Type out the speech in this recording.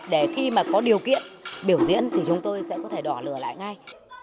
để khi mà có điều kiện biểu diễn thì chúng tôi sẽ có thể đỏ lửa lại ngay